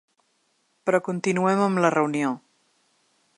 Però continuem amb la reunió.